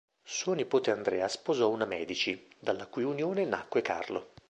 Suo nipote Andrea sposò una Medici, dalla cui unione nacque Carlo.